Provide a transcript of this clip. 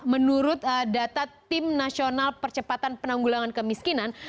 menurut data tim nasional percepatan penanggulangan kemiskinan